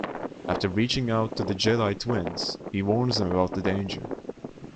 After reaching out to the Jedi twins, he warns them about the danger.